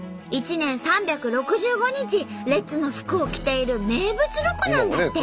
１年３６５日レッズの服を着ている名物ロコなんだって。